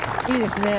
いいです。